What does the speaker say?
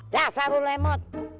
dah saru lemot